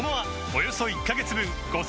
およそ１カ月分